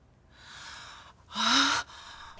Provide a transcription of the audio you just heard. ああ！